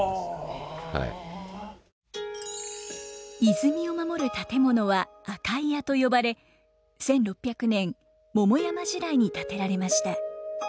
泉を守る建物は閼伽井屋と呼ばれ１６００年桃山時代に建てられました。